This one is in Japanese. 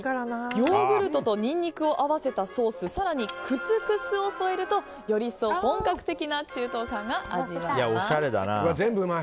ヨーグルトとニンニクを合わせたソース更にクスクスを添えるとより本格的な全部うまい！